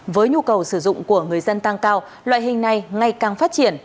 với nhu cầu sử dụng của người dân tăng cao loại hình này ngày càng phát triển